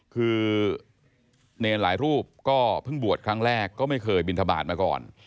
คือเนรหลายรูปก็เพิ่งบวชครั้งแรกก็ไม่เคยบินทบาทมาก่อน